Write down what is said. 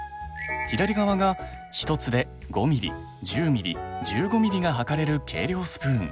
左側が１つで５ミリ１０ミリ１５ミリが量れる計量スプーン。